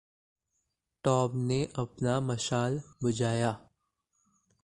Tom ने अपना मशाल बुझाया।